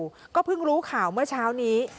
แล้วก็เพิ่งรู้ข่าวเมื่อเช้านี้